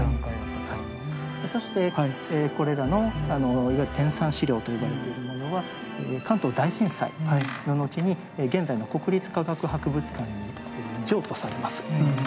そしてこれらのいわゆる天産資料と呼ばれているものは関東大震災の後に現在の国立科学博物館に譲渡されます。